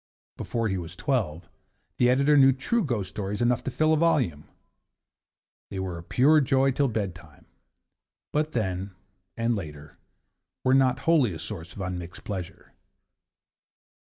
Before he was twelve the Editor knew true ghost stories enough to fill a volume. They were a pure joy till bedtime, but then, and later, were not wholly a source of unmixed pleasure.